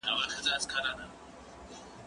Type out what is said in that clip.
ږغ واوره؟